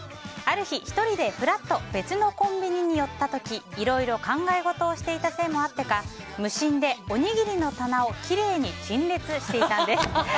ある日、１人でふらっと別のコンビニに寄った時いろいろ考え事をしていたせいもあってか無心でおにぎりの棚をきれいに陳列していたんです。